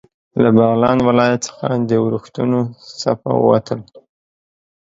له بغلان ولایت څخه د اورښتونو څپه ووتل.